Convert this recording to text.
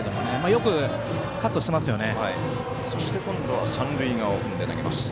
よく、カットしてますね。